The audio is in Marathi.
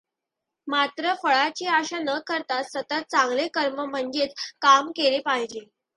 मात्र फळाची आशा न करता सतत चांगले कर्म म्हणजेच काम केले पाहिजे.